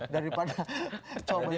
daripada coba ini